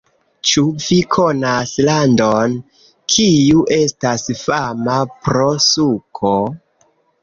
Ĉu vi konas landon, kiu estas fama pro suko?